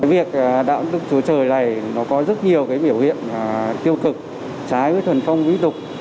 việc đạo đức chúa trời này nó có rất nhiều biểu hiện tiêu cực trái với thuần phong mỹ tục